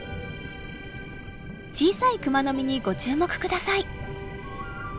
小さいクマノミにご注目ください。